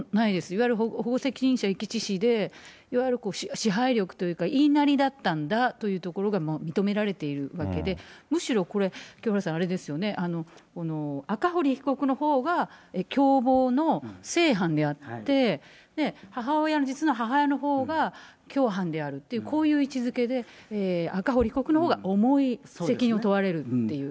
いわゆる保護責任者遺棄致死でいわゆる支配力というか、言いなりだったんだというところが認められているわけで、むしろこれ、清原さん、あれですよね、赤堀被告のほうが、共謀の正犯であって、母親の、実の母親のほうが共犯であるという、こういう位置づけで、赤堀被告のほうが重い責任を問われるという。